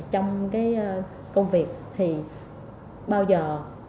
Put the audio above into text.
trong cái công việc thì bao giờ